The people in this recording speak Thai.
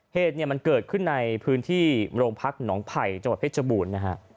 เหตุเนี่ยมันเกิดขึ้นในพื้นที่โรงพักหนองไผ่จังหวัดเพชรบูรณ์นะฮะ